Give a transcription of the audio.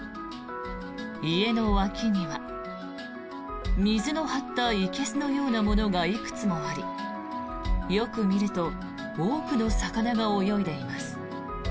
家の脇には水の張ったいけすのようなものがいくつもありよく見ると多くの魚が泳いでいます。